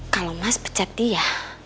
kalau mas pecat dia